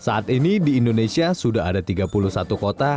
saat ini di indonesia sudah ada tiga puluh satu kota